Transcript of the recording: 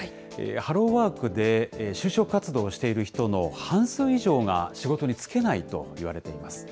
ハローワークで就職活動をしている人の半数以上が、仕事に就けないといわれています。